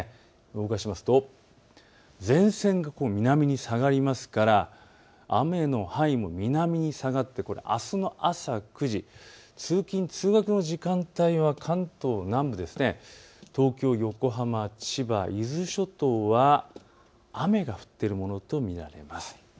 動かしますと前線が南に下がりますから雨の範囲も南に下がってこれはあすの朝９時、通勤通学の時間帯は関東南部、東京、横浜、千葉、伊豆諸島は雨が降っているものと見られます。